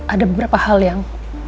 ada beberapa hal yang